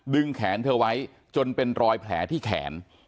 แขนเธอไว้จนเป็นรอยแผลที่แขน